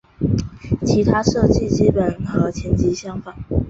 其他设计基本和前级相仿。